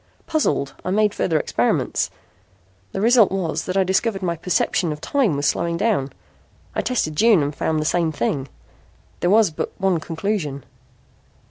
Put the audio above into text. Puzzled, I made further experiments. The result was that I discovered my perception of time was slowing down. I tested June and found the same thing. There was but one conclusion."